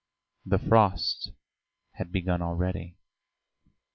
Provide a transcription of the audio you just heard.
The frosts had begun already.